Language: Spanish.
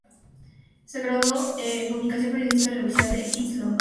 Se graduó en comunicación periodística en la universidad de East London.